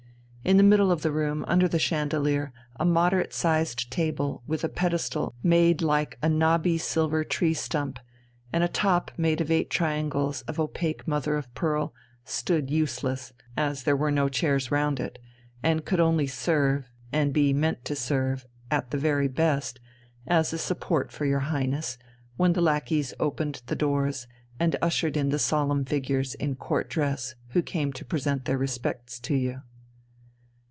In the middle of the room, under the chandelier, a moderate sized table, with a pedestal made like a knobby silver tree stump and a top made of eight triangles of opaque mother of pearl, stood useless, as there were no chairs round it, and it could only serve, and be meant to serve, at the very best, as a support for your Highness, when the lackeys opened the doors and ushered in the solemn figures in Court dress who came to present their respects to you....